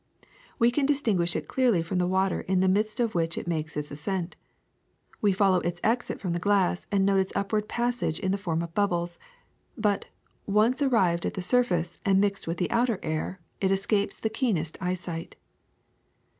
We can distinguish it clearly from the water in the midst of which it makes its ascent. We follow its exit from the glass and note its up ward passage in the form of bubbles; but, once ar rived at the surface and mixed with the outer air, it escapes the keenest eyesight.